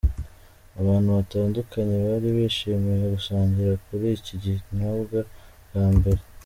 Abantu batandukanye bari bishimiye gusangira kuri iki kinyobwa bwa mbere.